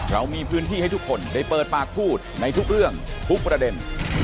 เรามีพื้นที่ให้ทุกคนได้เปิดปากพูดในทุกเรื่องทุกประเด็น